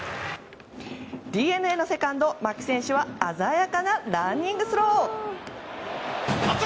ＤｅＮＡのセカンド、牧選手は鮮やかなランニングスロー！